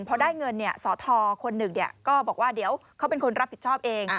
เพราะได้เงินเนี่ยสอทคนหนึ่งเนี่ยก็บอกว่าเดี๋ยวเขาเป็นคนรับผิดชอบเอง